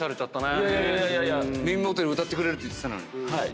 耳元で歌ってくれるって言ってたのに。